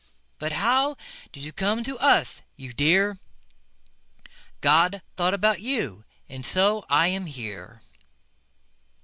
But how did you come to us, you dear? God thought about you, and so I am here.